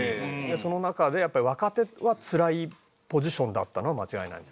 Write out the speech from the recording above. その中でやっぱり若手はつらいポジションだったのは間違いないですね。